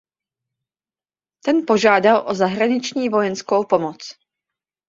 Ten požádal o zahraniční vojenskou pomoc.